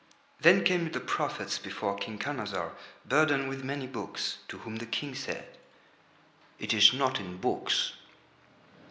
Then came the prophets before King Khanazar, burdened with many books, to whom the King said: "It is not in books."